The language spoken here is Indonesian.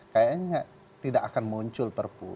kayaknya tidak akan muncul perpu